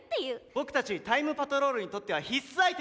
僕たちタイムパトロールにとっては必須アイテムなんです。